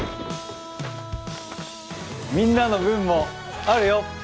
みんなの分もあるよ！